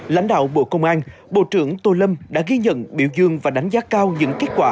lãnh đạo bộ công an bộ trưởng tô lâm đã ghi nhận biểu dương và đánh giá cao những kết quả